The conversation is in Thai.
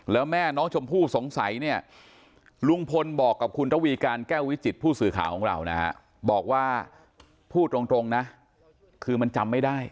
แล้วแม่น้องชมพู่สงสัยเนี่ยลุงพลบอกกับคุณระวีการแก้ววิจิตผู้สื่อข่าวของเรานะฮะบอกว่าพูดตรงนะคือมันจำไม่ได้